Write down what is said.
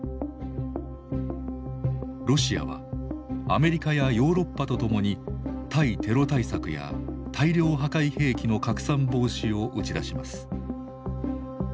ロシアはアメリカやヨーロッパと共に「対テロ対策」や「大量破壊兵器の拡散防止」を打ち出します。